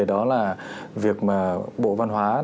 đó là việc bộ văn hóa